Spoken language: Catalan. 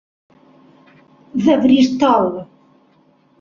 de Bristol.